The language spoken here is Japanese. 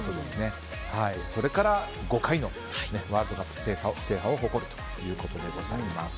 それから５回のワールドカップ制覇を誇るということでございます。